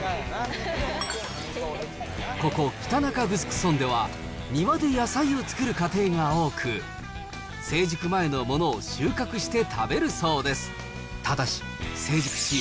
ここ、北中城村では、庭で野菜を作る家庭が多く、成熟前のものを収穫して食べるそうです。